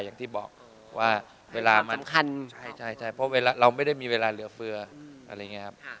อย่างที่บอกว่าเวลามัน